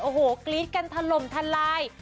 โอ้โหกรี๊ดกันถล่มทลาย